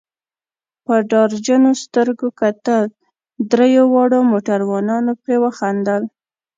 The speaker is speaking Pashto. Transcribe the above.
په ډار جنو سترګو کتل، دریو واړو موټروانانو پرې وخندل.